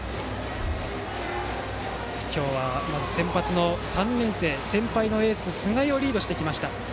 今日は先発の３年生先輩のエース菅井をリードしてきました。